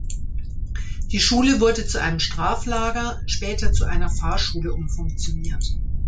Die Schule wurde zu einem Straflager, später zu einer Fahrschule umfunktioniert.